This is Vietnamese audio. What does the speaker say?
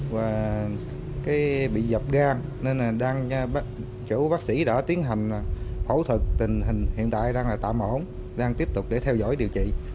và cái bị dập gan nên là đang chỗ bác sĩ đã tiến hành hỗ trợ tình hình hiện tại đang là tạm ổn đang tiếp tục để theo dõi điều trị